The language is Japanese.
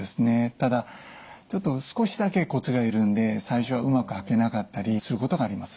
ただ少しだけコツがいるんで最初はうまく履けなかったりすることがあります。